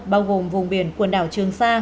bao gồm vùng biển quần đảo trường sa